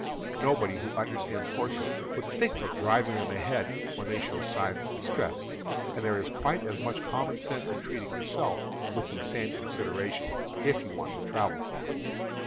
Nobody who understands horses would think of driving them ahead when they show signs of distress, and there is quite as much common sense in treating yourself with the same consideration, if you want to travel far.